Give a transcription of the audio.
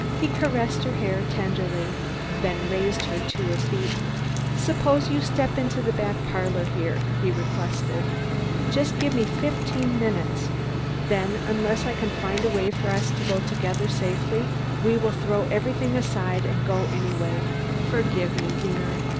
He caressed her hair tenderly, then raised her to her feet. "Suppose you step into the back parlor here," he requested. "Just give me fifteen minutes. Then, unless I can find a way for us to go together safely, we will throw everything aside and go anyway. Forgive me, dear."